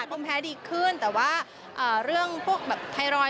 ภูมิแพ้ดีขึ้นแต่ว่าเรื่องพวกแบบไทรอยด